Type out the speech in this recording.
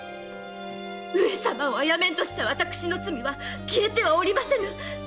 上様を殺めんとした私の罪は消えてはおりませぬ！